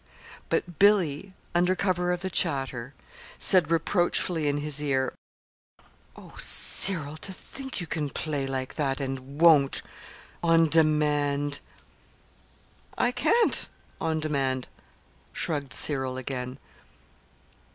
But Billy, under cover of the chatter, said reproachfully in his ear: "Oh, Cyril, to think you can play like that and won't on demand!" "I can't on demand," shrugged Cyril again.